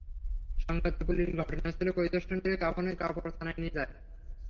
সংবাদ পেয়ে পুলিশ ঘটনাস্থল পরিদর্শন করে কাফনের কাপড় থানায় নিয়ে যায়।